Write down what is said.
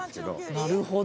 なるほど。